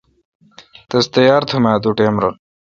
تس تیار تھم اؘ اتو ٹائم رل۔